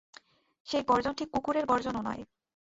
সেই গর্জন ঠিক কুকুরের গর্জনও নয়।